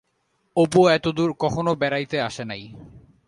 অপু এতদূর কখনও বেড়াইতে আসে নাই।